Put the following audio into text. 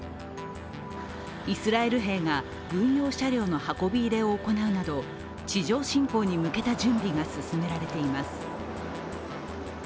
イスラエル兵が軍用車両の運び入れを行うなど地上侵攻に向けた準備が進められています。